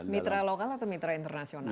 mitra lokal atau mitra internasional